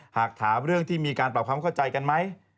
หากถามเรื่องที่มีการปรับความเข้าใจกันไหม